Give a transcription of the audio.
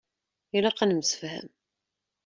Ilaq ad nemsefham.